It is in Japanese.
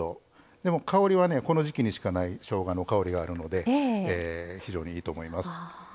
でも香りはこの時季にしかないしょうがの香りがあるので非常にいいと思います。